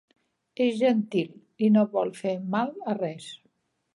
És gentil i no vol fer mal a res.